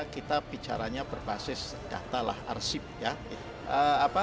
kita bicaranya berbasis data lah arsip ya